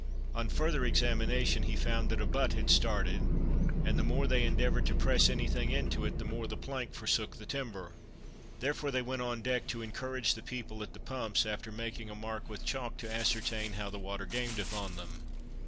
On further examination, he found that a butt had started, and the more they endeavored to press any thing into it the more the plank forsook the timber. Therefore they went on deck, to encourage the people at the pumps, after making a mark with chalk to ascertain how the water gained upon them.